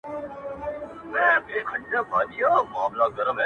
د قصاب له سترګو بلي خواته ګوره-